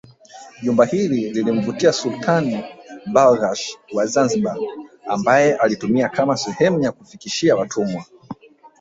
Jumba hili lilimvutia Sultani Barghash wa Zanzibar ambaye alilitumia kama sehemu ya kufikishia watumwa